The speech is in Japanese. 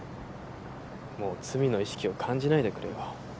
もう罪の意識を感じないでくれよ